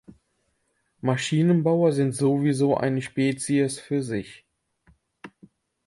Maschinenbauer sind sowieso eine Spezies für sich.